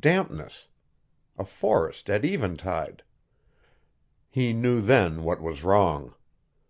Dampness. A forest at eventide.... He knew then what was wrong.